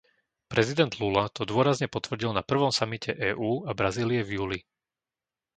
Prezident Lula to dôrazne potvrdil na prvom samite EÚ a Brazílie v júli.